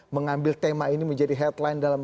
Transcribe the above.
mengambil tema ini menjadi headline dalam